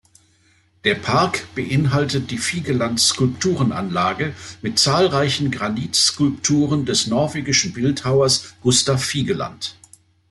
Der Park beinhaltet die Vigeland-Skulpturenanlage mit zahlreichen Granit-Skulpturen des norwegischen Bildhauers Gustav Vigeland.